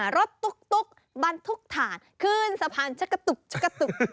รถตุ๊กตุ๊กบันทุกฐานขึ้นสะพานชะกะตุ๊กชะกะตุ๊ก